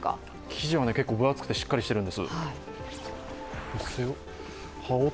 記事は結構分厚くてしっかりしてるんです。